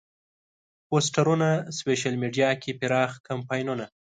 پوسترونه، سوشیل میډیا کې پراخ کمپاینونه.